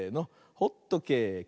ホットケーキ！